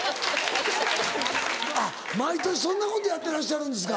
毎年そんなことやってらっしゃるんですか。